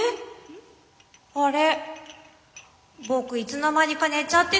あれ僕いつの間にか寝ちゃってたみたい」。